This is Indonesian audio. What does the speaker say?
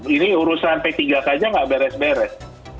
ini urusan p tiga saja nggak beres beres